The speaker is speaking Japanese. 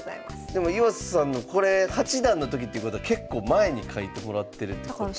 でも岩佐さんのこれ八段の時っていうことは結構前に書いてもらってるってことですよね。